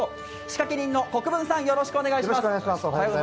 仕掛け人の國分さん、よろしくお願いします。